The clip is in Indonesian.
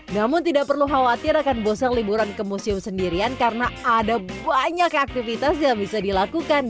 namun tidak perlu khawatir akan bosan liburan ke museum sendirian karena ada banyak aktivitas yang bisa dilakukan